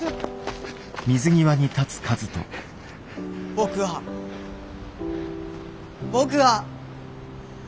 僕は僕は！